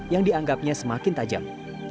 yang dianggapnya semakin tajam